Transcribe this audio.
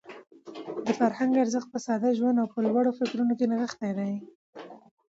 د فرهنګ ارزښت په ساده ژوند او په لوړو فکرونو کې نغښتی دی.